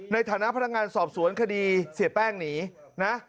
ในฐานะพนักงานสอบสวนคดีเสียแป้งหนีนะ